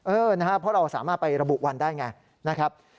เออนะครับเพราะเราสามารถไประบุวันได้ไงนะครับ